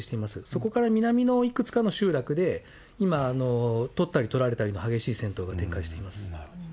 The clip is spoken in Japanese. そこから南のいくつかの集落で、今、取ったり取られたりの激しい戦闘が展開しています。